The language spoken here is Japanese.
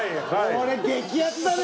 これ激アツだね。